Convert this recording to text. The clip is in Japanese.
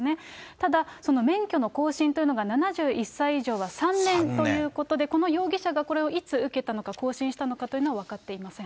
ただ、免許の更新というのが７１歳以上は３年ということで、この容疑者がこれをいつ受けたのか、更新したのかというのは分かっていません。